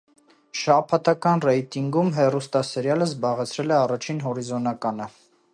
Շաբաթական ռեյտինգում հեռուստասերիալը զբաղեցրել է առաջին հորիզոնականը։